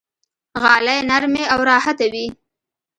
غالۍ نرمې او راحته وي.